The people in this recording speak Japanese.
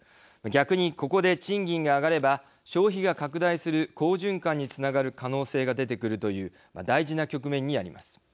逆に、ここで賃金が上がれば消費が拡大する好循環につながる可能性が出てくるという大事な局面にあります。